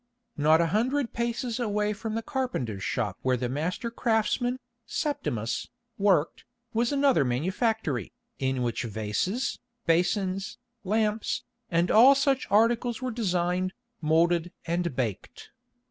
Not a hundred paces away from the carpenter's shop where the master craftsman, Septimus, worked, was another manufactory, in which vases, basins, lamps, and all such articles were designed, moulded and baked.